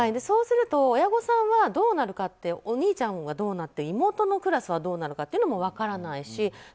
そうすると親御さんはどうなるかってお兄ちゃんはどうなって妹のクラスはどうなのかというのも分からないし